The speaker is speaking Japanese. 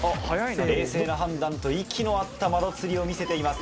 ・冷静な判断と息の合った窓吊りを見せています・・